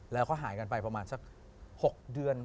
แล้วก็หายกันไปประมาณสัก๖เดือน